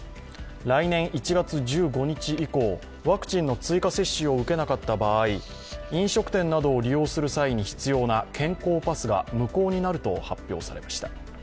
来年１月１５日以降、ワクチンの追加接種を受けなかった場合飲食店などを利用する際に必要な健康パスが無効になると発表されました。